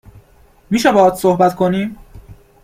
میشه باهات صحبت کنیم ؟